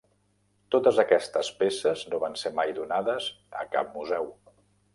Totes aquestes peces no van ser mai donades a cap museu.